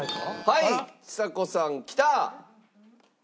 はいちさ子さんきた！